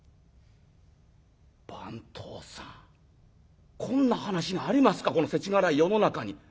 「番頭さんこんな話がありますかこのせちがらい世の中に。